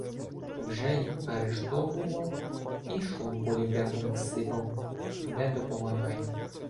Вже й арештовував, і шомполів декому всипав — не допомагає.